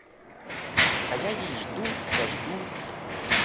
А я її жду та жду!